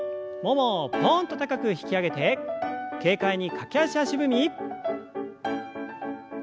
ももをぽんと高く引き上げて軽快に駆け足足踏み。